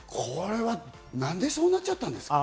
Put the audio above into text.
何でそうなっちゃったんですか？